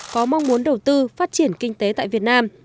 có mong muốn đầu tư phát triển kinh tế tại việt nam